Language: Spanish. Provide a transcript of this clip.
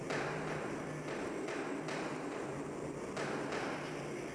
El prólogo presenta el único caso de narración en primera persona por Sîn-lēqi-unninni.